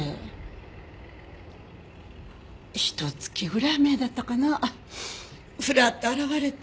ひと月ぐらい前だったかなふらっと現れて。